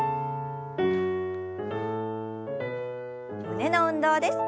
胸の運動です。